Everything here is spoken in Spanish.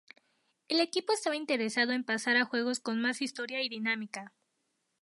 El equipo estaba interesado en pasar a juegos con más historia y dinámica.